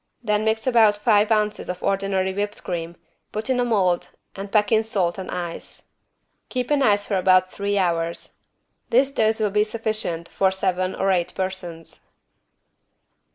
Then mix about five ounces of ordinary whipped cream, put in a mold and pack in salt and ice. Keep in ice for about three hours. This dose will be sufficient for seven or eight persons.